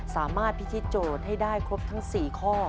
สามารถพิธีโจทย์ให้ได้ครบทั้ง๔ข้อ